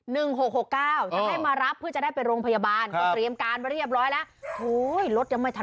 ๑๖๖๙จะให้มารับเพื่อจะได้ไปโรงพยาบาล